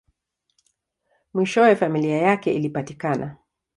Mwishowe, familia yake ilipatikana.